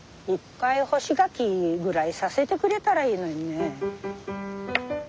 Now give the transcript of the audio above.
１回干し柿ぐらいさせてくれたらいいのにね。